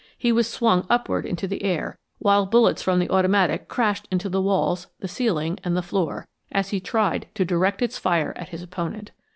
He was swung upward into the air, while bullets from the automatic crashed into the walls, the ceiling and the floor, as he tried to direct its fire at his opponent.